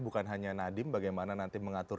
bukan hanya nadiem bagaimana nanti mengatur